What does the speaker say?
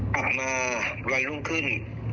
ต่อมาวันรุ่นขึ้น